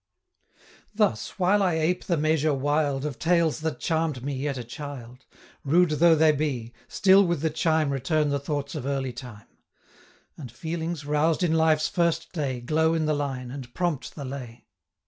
Thus while I ape the measure wild Of tales that charm'd me yet a child, Rude though they be, still with the chime Return the thoughts of early time; 155 And feelings, roused in life's first day, Glow in the line, and prompt the lay.